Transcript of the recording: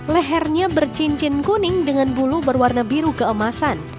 lehernya bercincin kuning dengan bulu berwarna biru keemasan